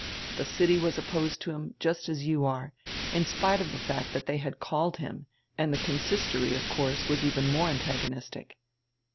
The city was opposed to him, just as you are, in spite of die fact that they had called him, and the Consistory, of course, was even more antagonistic."